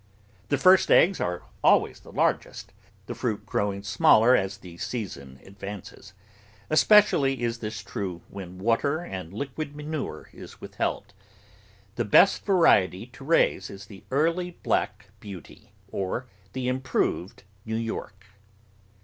The first eggs are always the largest, the fruit growing smaller as the season advances; especially is this true when water and liquid manure is with held. The best variety to raise is the Efarly Black Beauty or the Improved New York.